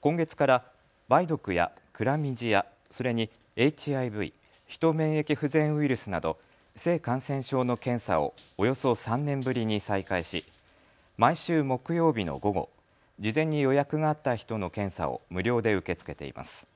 今月から梅毒やクラミジア、それにＨＩＶ・ヒト免疫不全ウイルスなど性感染症の検査をおよそ３年ぶりに再開し毎週木曜日の午後事前に予約があった人の検査を無料で受け付けています。